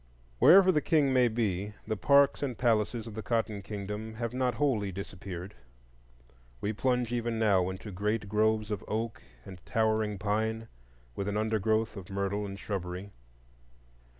Wherever the King may be, the parks and palaces of the Cotton Kingdom have not wholly disappeared. We plunge even now into great groves of oak and towering pine, with an undergrowth of myrtle and shrubbery.